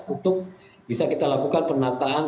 untuk bisa kita lakukan penataan